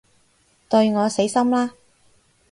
對我死心啦